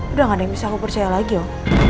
udah gak ada yang bisa aku percaya lagi om